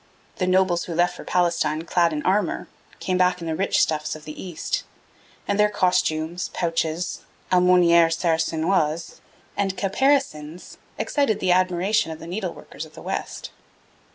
The nobles who left for Palestine clad in armour, came back in the rich stuffs of the East; and their costumes, pouches (aumonieres sarra sinoises), and caparisons excited the admiration of the needle workers of the West.